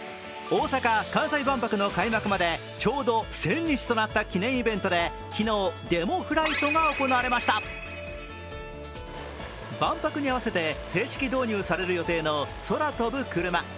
大阪・関西万博の開幕までちょうど１０００日となった記念イベントで昨日、デモフライトが行われました万博に合わせて正式導入される予定の空飛ぶクルマ。